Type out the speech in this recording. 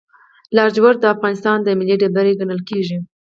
لاجورد د افغانستان ملي ډبره ګڼل کیږي.